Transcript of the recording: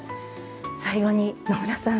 最後に野村さん